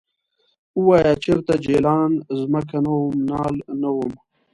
ووایه چرته جلان ځمکه نه وم نال نه وم ؟